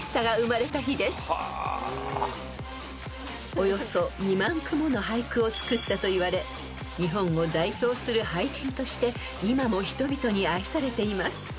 ［およそ２万句もの俳句を作ったといわれ日本を代表する俳人として今も人々に愛されています］